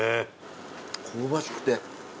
香ばしくて。